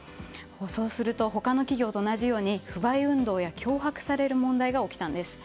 そうすると他の企業と同じように不買運動や脅迫される問題が起きたんです。